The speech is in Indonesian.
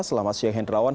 selamat siang henrawan